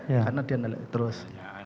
karena dia terus